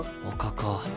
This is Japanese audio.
おかか。